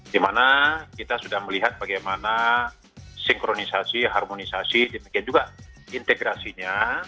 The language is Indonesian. dimana kita sudah melihat bagaimana sinkronisasi harmonisasi demikian juga integrasinya